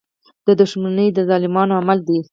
• دښمني د ظالمانو عمل دی.